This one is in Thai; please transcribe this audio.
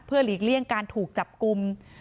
หลีกเลี่ยงการถูกจับกลุ่ม